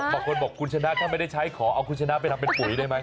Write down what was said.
บางคนบอกคุณชนะถ้าไม่ได้ใช้ขอเอาคุณชนะไปทำเป็นปุ๋ยได้ไหม